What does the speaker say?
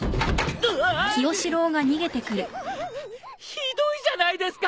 ひどいじゃないですか！